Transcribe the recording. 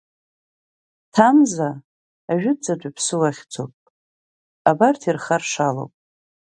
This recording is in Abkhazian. Ҭамза ажәытәӡатәи ԥсуа хьӡуп, абарҭ ирхаршалоуп…